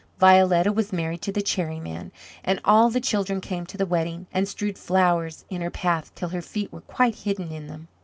Violetta was married to the Cherry man, and all the children came to the wedding, and strewed flowers in her path till her feet were quite hidden in them.